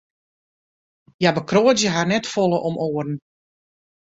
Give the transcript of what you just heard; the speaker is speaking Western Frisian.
Hja bekroadzje harren net folle om oaren.